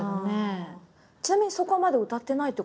ちなみにそこはまだ歌ってないってことですか？